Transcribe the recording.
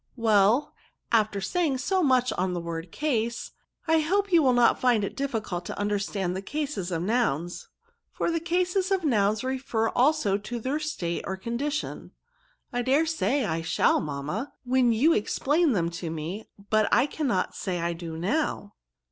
Well, after saying so much on the word case, I hope you will not find it diffi cult to understand the cases of nouns ; for the cases of noims refer also to their state or condition." I dare say I shall, mamma, when you ex plain them to me, but I cannot say I do now."